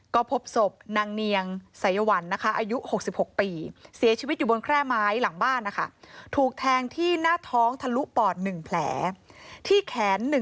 ก็พบศพนางเนียงสายวันนะคะอายุ๖๖ปีเสียชีวิตอยู่บนแคร่ไม้หลังบ้านนะคะ